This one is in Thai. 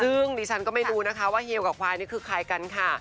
ซึ่งดิฉันก็ไม่รู้นะคะว่าเฮียวกับควายนี่คือใครกันค่ะ